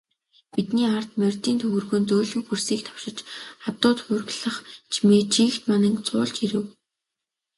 Бидний ард морьдын төвөргөөн зөөлөн хөрсийг товшиж, адуу тургилах чимээ чийгт мананг цуулж ирэв.